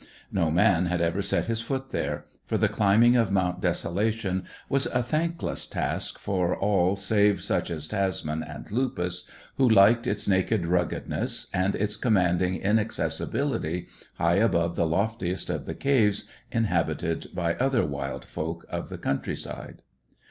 No man had ever set his foot there, for the climbing of Mount Desolation was a thankless task for all save such as Tasman and Lupus, who liked its naked ruggedness and its commanding inaccessibility, high above the loftiest of the caves inhabited by other wild folk of the countryside.